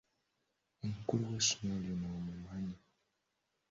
Omukulu w'essomero lino omumanyi?